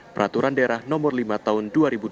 peraturan daerah nomor lima tahun dua ribu dua puluh